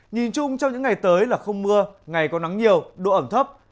nhìn chung trong những ngày tới là không mưa ngày có nắng nhiều độ ẩm thấp